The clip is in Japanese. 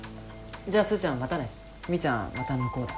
じゃあスーちゃんまたね。みーちゃんまた向こうで。